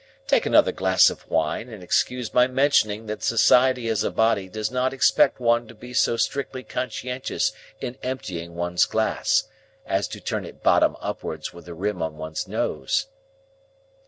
—Take another glass of wine, and excuse my mentioning that society as a body does not expect one to be so strictly conscientious in emptying one's glass, as to turn it bottom upwards with the rim on one's nose."